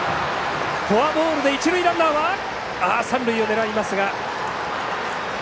フォアボールで一塁ランナーは三塁を狙いますが。